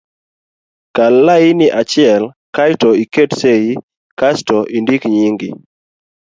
kal lain achiel ae to iket sei kasto indik nyingi